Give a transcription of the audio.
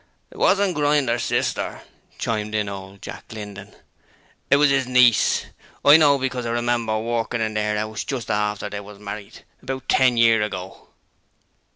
'It wasn't Grinder's sister,' chimed in old Jack Linden. 'It was 'is niece. I know, because I remember working in their 'ouse just after they was married, about ten year ago.'